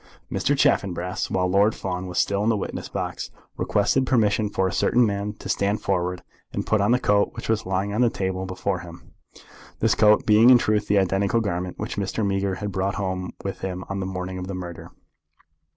Mr. Chaffanbrass, while Lord Fawn was still in the witness box, requested permission for a certain man to stand forward, and put on the coat which was lying on the table before him, this coat being in truth the identical garment which Mr. Meager had brought home with him on the morning of the murder.